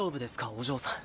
お嬢さん。